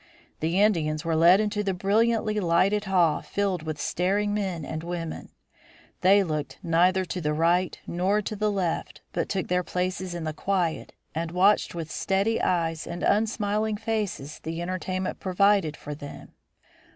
The Indians were led into the brilliantly lighted hall filled with staring men and women. They looked neither to the right nor to the left, but took their places in quiet and watched with steady eyes and unsmiling faces the entertainment provided for them.